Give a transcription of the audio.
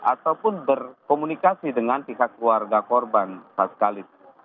ataupun berkomunikasi dengan pihak keluarga korban saat sekali